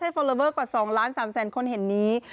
ฟอลลอเบอร์กว่า๒ล้าน๓แสนคนเห็นนี้